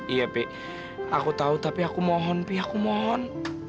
iya pi aku tahu tapi aku mohon pi aku mohon